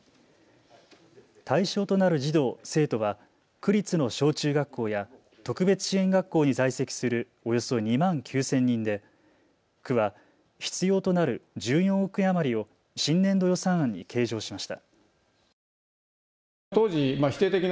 対象となる児童・生徒は区立の小中学校や特別支援学校に在籍するおよそ２万９０００人で区は必要となる１４億円余りを新年度予算案に計上しました。